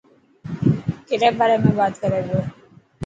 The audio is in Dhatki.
ڪيري باري ۾ بات ڪري پيو.